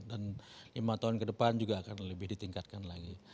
dan lima tahun ke depan juga akan lebih ditingkatkan lagi